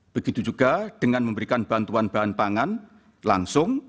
begitu juga dengan memberikan bantuan bahan pangan langsung